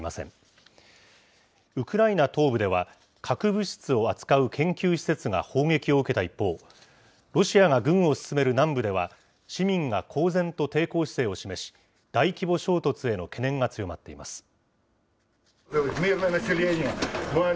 核物質を扱う研究施設が砲撃を受けた一方、ロシアが軍を進める南部では、市民が公然と抵抗姿勢を示し、大規模衝突への懸念が強まっています。